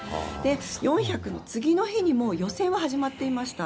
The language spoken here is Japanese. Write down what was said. ４００の次の日にもう予選が始まっていました。